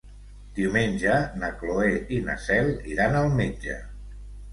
Diumenge na Cloè i na Cel iran al metge.